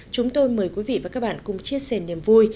chúng tôi mời quý vị và các bạn cùng chia sẻ niềm vui